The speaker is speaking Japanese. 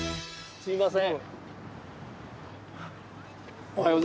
すみません。